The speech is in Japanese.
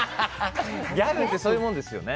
ギャグってそういうもんですよね。